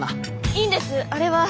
いいんですあれは。